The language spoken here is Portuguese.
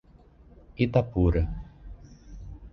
Itapura